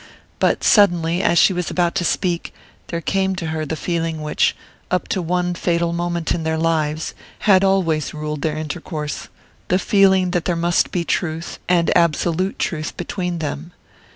But suddenly, as she was about to speak, there came to her the feeling which, up to one fatal moment in their lives, had always ruled their intercourse the feeling that there must be truth, and absolute truth, between them.